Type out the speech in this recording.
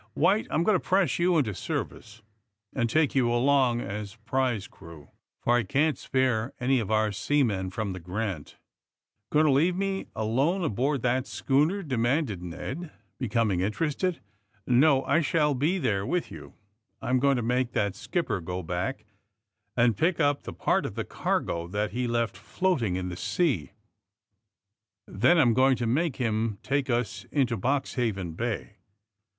White, I'm going to press you into service and take you 226 THE SUBMAEINE BOYS along as prize crew, for I can't spare any of onr seamen from the * Grant.' "'* Going to leave me alone aboard that sch ooner 1 '' demanded Ned, becoming interested. '^No; I shall be there with you. I'm going to make that skipper go back and pick up the part of the cargo that he left floating in the sea. Then I'm going to make him take ns into Boxhaven Bay."